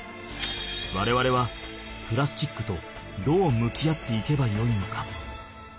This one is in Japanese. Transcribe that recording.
われわれはプラスチックとどう向き合っていけばよいのか。